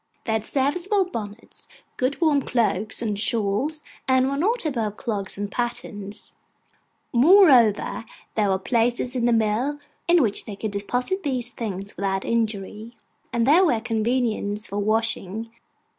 They had serviceable bonnets, good warm cloaks, and shawls; and were not above clogs and pattens. Moreover, there were places in the mill in which they could deposit these things without injury; and there were conveniences for washing.